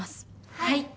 はい！